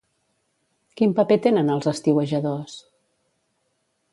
Quin paper tenen els estiuejadors?